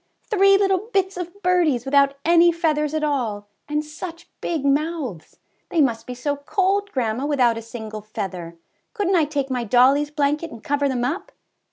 Three little bits of birdies without any feathers at all, and such big mouths! They must be so cold, grandma, without a single feather; couldnT I take my dollie's blanket and cover them up?